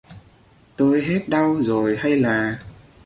Tôi hết đau rồi hay là